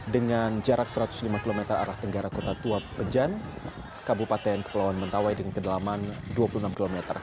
dengan jarak satu ratus lima km arah tenggara kota tua pejan kabupaten kepulauan mentawai dengan kedalaman dua puluh enam km